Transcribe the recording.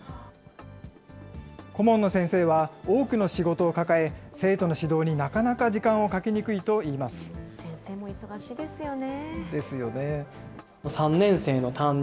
顧問の先生は多くの仕事を抱え、生徒の指導になかなか時間をかけにくいといいます。ですよね。